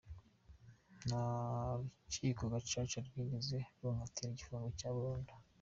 Nta rukiko gacaca rwigeze runkatira igifungo cya burundu.